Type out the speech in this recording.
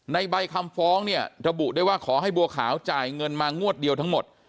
ใบคำฟ้องเนี่ยระบุได้ว่าขอให้บัวขาวจ่ายเงินมางวดเดียวทั้งหมด